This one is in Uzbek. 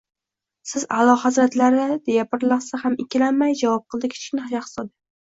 — Siz, a’lo hazratlari, — deya bir lahza ham ikkilanmay javob qildi Kichkina shahzoda.